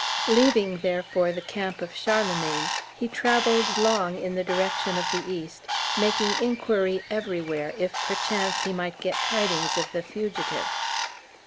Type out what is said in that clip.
Leaving, therefore, the camp of Charlemagne, he travelled long in the direction of the East, making inquiry everywhere, if, perchance, he might get tidings of the fugitive.